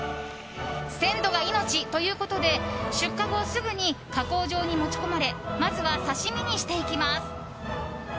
鮮度が命ということで出荷後すぐに加工場に持ち込まれまずは刺し身にしていきます。